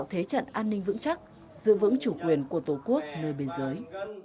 hình vững chắc giữ vững chủ quyền của tổ quốc nơi biên giới